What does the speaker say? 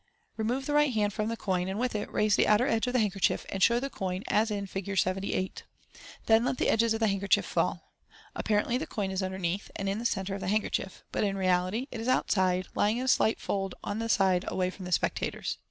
Remove the right hand from the coin, and with it raise the outer edge of the handkerchief and show the coin, as in Fig. 78. Then let the edges of the handkerchief fall. Apparently Jie coin is underneath, and in the centre of the handkerchief 5 but in reality it is outside, lying in a slight fold on the side away from the spectators.